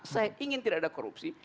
saya ingin tidak ada korupsi